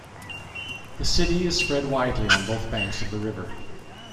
The city is spread widely on both banks of the river.